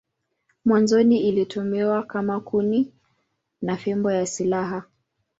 Mwanzoni ilitumiwa kama kuni na fimbo ya silaha.